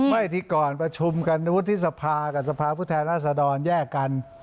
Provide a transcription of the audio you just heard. ไม่ที่ก่อนประชุมกันวุฒิสภากับสภาพผู้แทนราษฎรแยกกัน